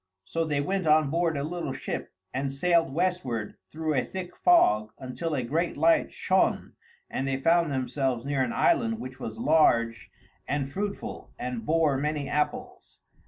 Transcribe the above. So they went on board a little ship and sailed westward through a thick fog until a great light shone and they found themselves near an island which was large and fruitful and bore many apples.